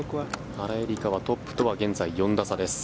原英莉花はトップとは現在４打差です。